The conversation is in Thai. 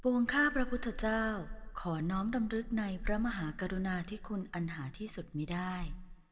วงข้าพระพุทธเจ้าขอน้อมดำรึกในพระมหากรุณาที่คุณอันหาที่สุดมีได้